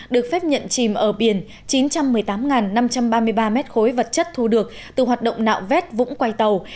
được phép nhận chìm ở biển chín trăm một mươi tám năm trăm ba mươi ba mét khối vật chất thu được từ hoạt động nạo vét vũng quay tàu